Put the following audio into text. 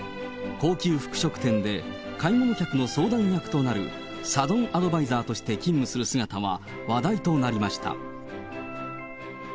高級服飾店で買い物客の相談役となるサロン・アドバイザーとして勤務する姿は話題となりました。